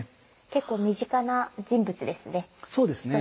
結構身近な人物ですね。